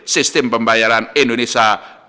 sistem pembayaran indonesia dua ribu dua puluh lima